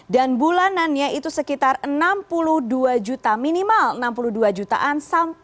dan bulanannya itu sekitar enam puluh dua juta minimal enam puluh dua jutaan